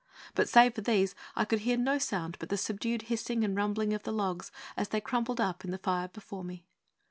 But, save for these, I could hear no sound but the subdued hissing and rumbling of the logs as they crumpled up in the fire before me.